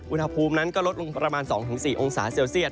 อุณหภูมินั้นก็ลดลงประมาณ๒๔องศาเซลเซียต